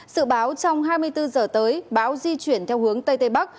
sự báo trong hai mươi bốn giờ tới bão di chuyển theo hướng tây tây bắc